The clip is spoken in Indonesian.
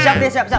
siap deh siap siap